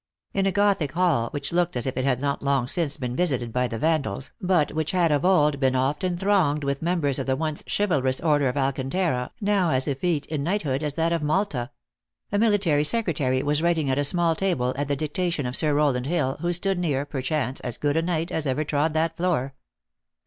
879 In a Gothic hall, which looked as if it had not long since been visited by the Vandals, but which had of old been often thronged with members of the once chivalrous order of Alcantara, now as effete in knight hood as that of Malta ; a military secretary was writ ing at a small table, at the dictation of Sir Rowland Hill, who stood near, perchance, as good a knight as ever trod that floor.